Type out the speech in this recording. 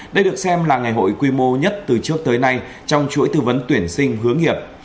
đây được xem là ngày hội quy mô nhất từ trước tới nay trong chuỗi tư vấn tuyển sinh hướng nghiệp